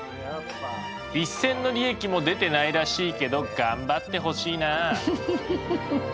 一銭の利益も出てないらしいけど頑張ってほしいな。